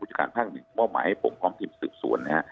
บุจการภาคหนึ่งมอบมาให้ผมพร้อมพิมพ์สืบสวน